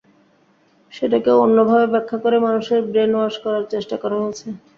সেটাকে অন্যভাবে ব্যাখ্যা করে মানুষের ব্রেন ওয়াশ করার চেষ্টা করা হয়েছে।